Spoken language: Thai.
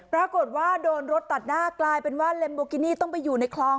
ปรากฏว่าโดนรถตัดหน้ากลายเป็นว่าเล็มโบกินี่ต้องไปอยู่ในคลอง